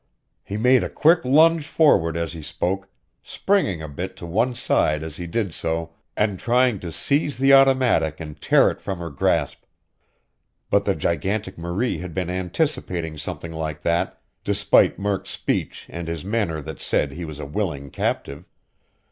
He made a quick lunge forward as he spoke, springing a bit to one side as he did so, and trying to seize the automatic and tear it from her grasp. But the gigantic Marie had been anticipating something like that, despite Murk's speech and his manner that said he was a willing captive.